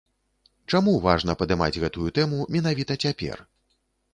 Чаму важна падымаць гэтую тэму менавіта цяпер?